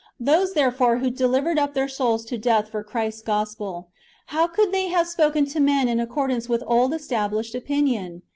"^ Those, therefore, who delivered up their souls to death for Christ's gospel — how could they have spoken to men in accordance with old established opinion?